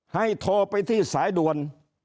ให้โทรไปที่สายดวน